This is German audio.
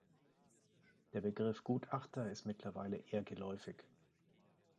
Der Begriff Gutachter ist mittlerweile eher geläufig.